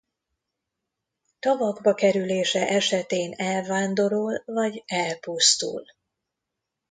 Tavakba kerülése esetén elvándorol vagy elpusztul.